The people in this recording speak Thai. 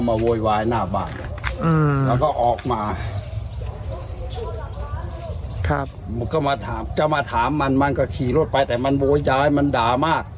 มันก็มาถามจะมาถามมันมันก็ขี่รถไปแต่มันโบยายมันด่ามาก